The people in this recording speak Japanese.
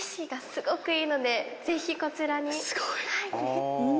すごい。